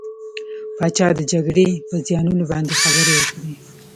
پاچا د جګرې په زيانونو باندې خبرې وکړې .